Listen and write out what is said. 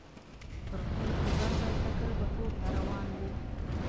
پر خپل امبر بایسکل به کورته روان وو.